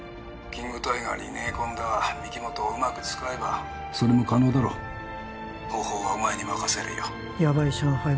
キング・タイガーに逃げ込んだ御木本をうまく使えばそれも可能だろ方法はお前に任せるよやばい上海